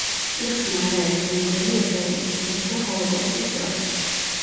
იხსნა არაერთი უნგრელი ებრაელის სიცოცხლე ჰოლოკოსტის დროს.